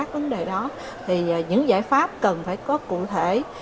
vấn đề đó thì những giải pháp cần phải có cụ thể